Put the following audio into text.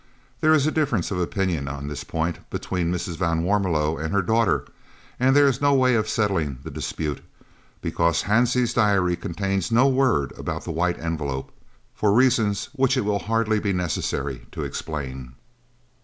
There is a difference of opinion on this point between Mrs. van Warmelo and her daughter, and there is no way of settling the dispute, because Hansie's diary contains no word about the White Envelope, for reasons which it will hardly be necessary to explain.